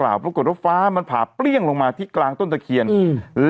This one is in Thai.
แล้วก็ต้องฟ้ามันผ่าเปลี่ยงลงมาที่กลางต้นเถอะเขียนอืม